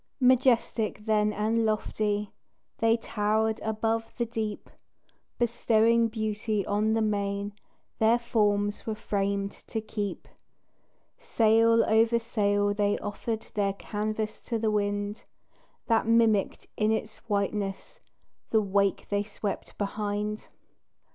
Majestic then and lofty They towered above the deep, Bestowing beauty on the main Their forms were framed to keep. Sail over sail they offered Their canvas to the wind, That mimicked in its whiteness The wake they swept behind.